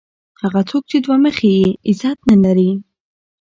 هغه څوک چي دوه مخی يي؛ عزت نه لري.